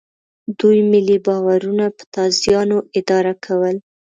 دوی ملي باورونه په تازیانو اداره کول.